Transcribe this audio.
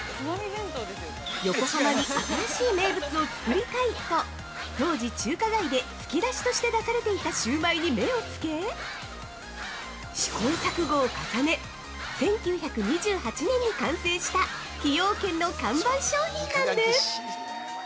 横浜に新しい名物を作りたいと、当時中華街で突き出しとして出されていたシューマイに目を付け、試行錯誤を重ね１９２８年に完成した崎陽軒の看板商品なんです。